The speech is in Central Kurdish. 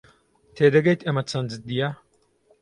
تێدەگەیت ئەمە چەند جددییە؟